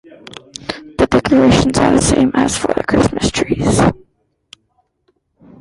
The decorations are the same as for Christmas trees.